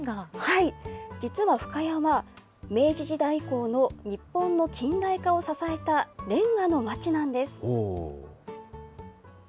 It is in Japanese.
実は深谷は、明治時代以降の日本の近代化を支えたれんがの町なんです。